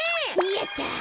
やった。